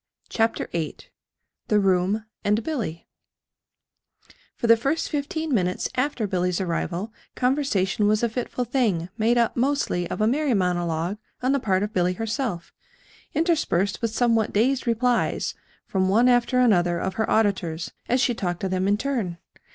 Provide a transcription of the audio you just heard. CHAPTER VIII THE ROOM AND BILLY For the first fifteen minutes after Billy's arrival conversation was a fitful thing made up mostly of a merry monologue on the part of Billy herself, interspersed with somewhat dazed replies from one after another of her auditors as she talked to them in turn.